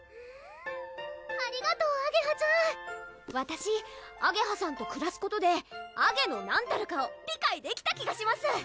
ありがとうあげはちゃんわたしあげはさんとくらすことで「アゲ」の何たるかを理解できた気がします